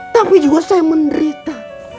tapi juga saya menderita